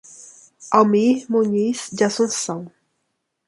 Almir Muniz de Assuncao